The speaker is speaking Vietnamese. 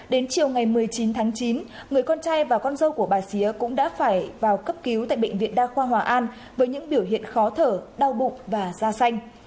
đến chiều ngày một mươi chín tháng chín người con trai và con dâu của bà xía cũng đã phải vào cấp cứu tại bệnh viện đa khoa hòa an với những biểu hiện khó thở đau bụng và da xanh